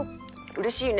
うれしいね。